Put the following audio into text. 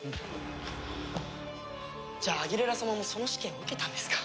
じゃあアギレラ様もその試験を受けたんですか？